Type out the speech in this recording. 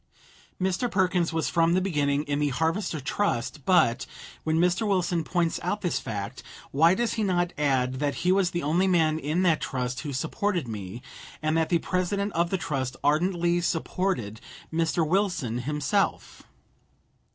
Mr. Perkins was from the beginning in the Harvester Trust but, when Mr. Wilson points out this fact, why does he not add that he was the only man in that trust who supported me, and that the President of the trust ardently supported Mr. Wilson himself?